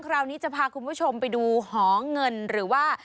คราวนี้จะพาคุณผู้ชมไปดูหอเงินหรือว่า